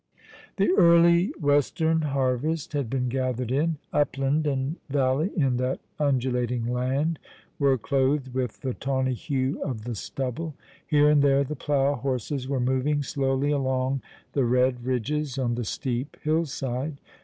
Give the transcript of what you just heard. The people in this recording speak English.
The early western harvest had been gathered in. Upland and valley in that undulating land were clothed with the tawny hue of the stubble. Here and there the plough horses were moving slowly along the red ridges on the sleep hill side.